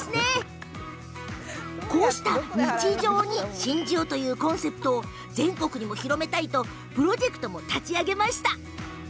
こうした「日常に真珠を」というコンセプトを全国にも広めたいとプロジェクトも立ち上がりました。